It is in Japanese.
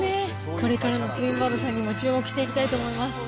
これからのツインバードさんにも注目していきたいと思います。